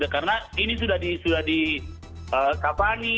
karena ini sudah dikapani